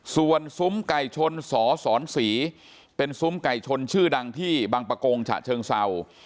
ส่วนซุ้มไก่ชนสสศรีเป็นซุ้มไก่ชนชื่อดังที่บางประกงฉะเชิงเศร้า